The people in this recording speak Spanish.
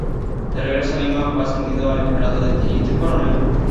De regreso a Lima, fue ascendido al grado de teniente coronel.